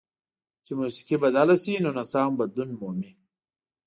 چې موسیقي بدله شي نو نڅا هم بدلون مومي.